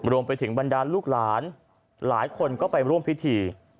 รวมไปถึงบรรดาลูกหลานหลายคนก็ไปร่วมพิธี